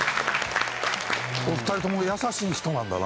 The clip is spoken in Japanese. お二人とも優しい人なんだなと思って。